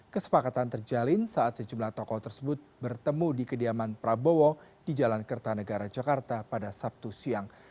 kesepakatan terjalin saat sejumlah tokoh tersebut bertemu di kediaman prabowo di jalan kertanegara jakarta pada sabtu siang